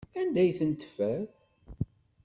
Anda ay ten-teffer?